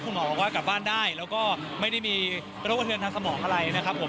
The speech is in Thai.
หมอบอกว่ากลับบ้านได้แล้วก็ไม่ได้มีโรคกระเทือนทางสมองอะไรนะครับผม